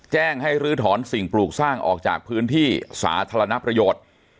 แจ้งให้ลื้อถอนสิ่งปลูกสร้างออกจากพื้นที่สาธารณประโยชน์